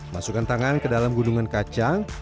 masukkan tangan ke dalam gunungan kacang